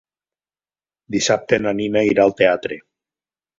Dissabte na Nina irà al teatre.